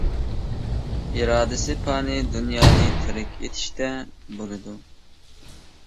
ئىرادىسى پانىي دۇنيانى تەرك ئېتىشتە بولىدۇ.